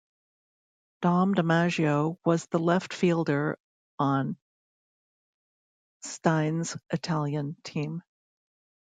Dom DiMaggio was the left fielder on Stein's Italian team.